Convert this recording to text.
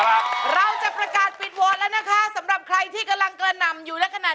เราจะประกาศปิดโว้นแล้วนะคะสำหรับใครที่กำลังกระหนำอยู่แล้วกันหน่อย